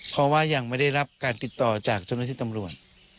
เพราะว่ายังไม่ได้รับการติดต่อจากเจ้าหน้าที่ตำรวจ